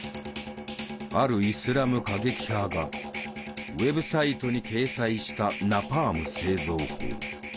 あるイスラム過激派がウェブサイトに掲載した「ナパーム製造法」。